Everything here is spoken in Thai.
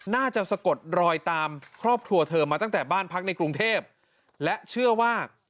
สะกดรอยตามครอบครัวเธอมาตั้งแต่บ้านพักในกรุงเทพและเชื่อว่า